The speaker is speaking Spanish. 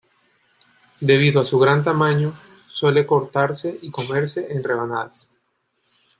Debido a su gran tamaño, suele cortarse y comerse en rebanadas.